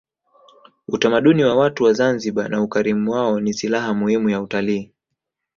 utamaduni wa watu wa zanzibar na ukarimu wao ni silaha muhimu ya utalii